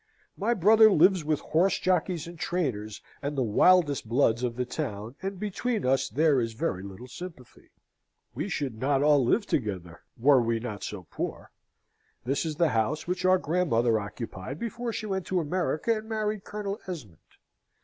My brother lives with horse jockeys and trainers, and the wildest bloods of the town, and between us there is very little sympathy. We should not all live together, were we not so poor. This is the house which our grandmother occupied before she went to America and married Colonel Esmond.